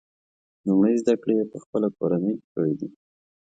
لومړۍ زده کړې یې په خپله کورنۍ کې کړي دي.